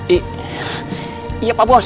iya pak bos